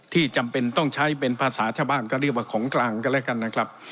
จำเป็นต้องใช้เป็นภาษาชาวบ้านก็เรียกว่าของกลางก็แล้วกันนะครับ